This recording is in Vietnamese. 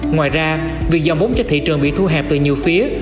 ngoài ra việc dòng vốn cho thị trường bị thu hẹp từ nhiều phía